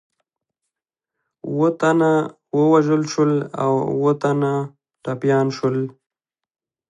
اووه تنه ووژل شول او اووه تنه ټپیان شول.